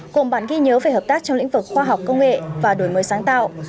cùng bản ghi nhớ về hợp tác trong lĩnh vực khoa học công nghệ và đổi mới sáng tạo